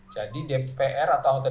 jadi dpr atau dpr